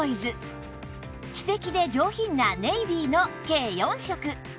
知的で上品なネイビーの計４色